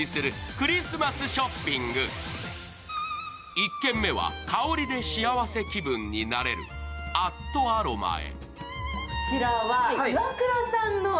１軒目は香りで幸せ気分になれるアットアロマへ。